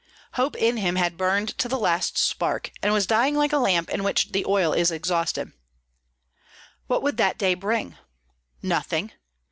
Hope in him had burned to the last spark, and was dying like a lamp in which the oil is exhausted. What would that day bring? Nothing!